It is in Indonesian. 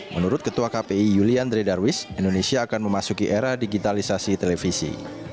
menurut ketua kpi yulian dredarwis indonesia akan memasuki era digitalisasi televisi